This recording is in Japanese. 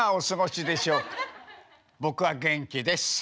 僕は元気です。